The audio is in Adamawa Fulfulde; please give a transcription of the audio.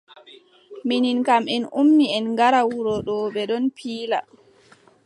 Minin kam en ummi en ngara wuro ɗo. bee ɗon pila.